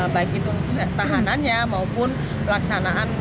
baik itu tahanannya maupun pelaksanaan